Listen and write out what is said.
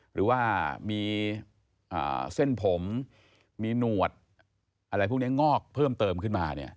หรือว่ามีเส้นผมมีหนวดอะไรพวกนี้งอกเพิ่มเติมขึ้นมา